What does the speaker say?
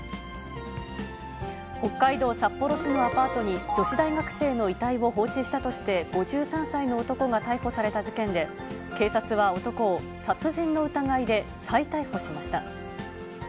北海道札幌市のアパートに、女子大学生の遺体を放置したとして、５３歳の男が逮捕された事件で、警察は男を殺人の疑いで再逮捕しました。